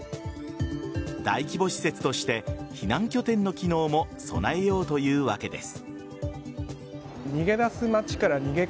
大規模施設として避難拠点の機能も備えようというわけです。